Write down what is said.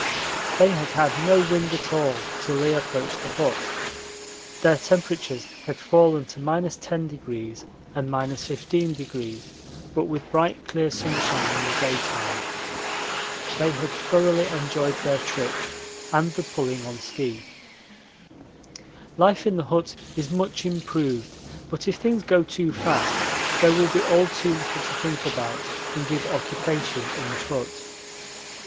They had had no wind at all till they approached the hut. Their temperatures had fallen to 10° and 15°, but with bright clear sunshine in the daytime. They had thoroughly enjoyed their trip and the pulling on ski. Life in the hut is much improved, but if things go too fast there will be all too little to think about and give occupation in the hut.